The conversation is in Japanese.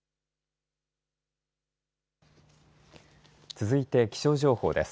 続いて気象情報です。